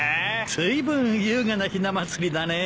ずいぶん優雅なひな祭りだね。